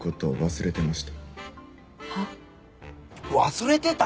忘れてた！？